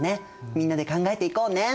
みんなで考えていこうね。